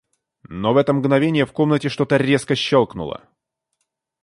Но в это мгновение в комнате что-то резко щелкнуло.